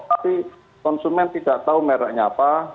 tapi konsumen tidak tahu mereknya apa